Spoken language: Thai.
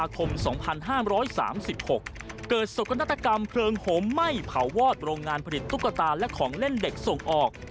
การผลิตตุ๊กตาและของเล่นเด็กส่งออก